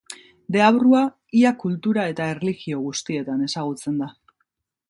Deabrua ia kultura eta erlijio guztietan ezagutzen da.